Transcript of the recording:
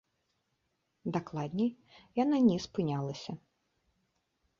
Дакладней, яна не спынялася.